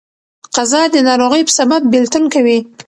قضا د ناروغۍ په سبب بيلتون کوي.